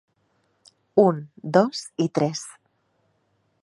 Un, dos i tres.